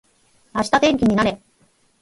明日天気になれ